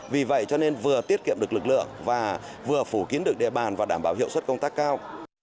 vì vậy cho nên vừa tiết kiệm được lực lượng và vừa phủ kiến được địa bàn và đảm bảo hiệu suất công tác cao